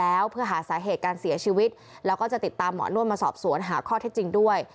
แล้วเพื่อหาสาเหตุการเสียชีวิตแล้วก็จะติดตามหมอนวดมาสอบสวนหาข้อเท็จจริงด้วย